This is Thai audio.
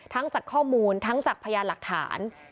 จากข้อมูลทั้งจากพยานหลักฐาน